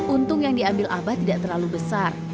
untung yang diambil abah tidak terlalu besar